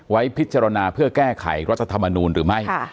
ไว้พิจารณาเพื่อแก้ไขรัฐธรรมนูลหรือไม่